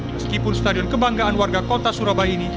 meskipun stadion kebanggaan warga kota surabaya ini